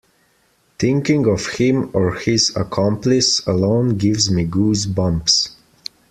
Thinking of him or his accomplice alone gives me goose bumps.